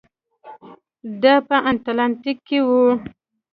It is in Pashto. دا په اتلانتیک کې و.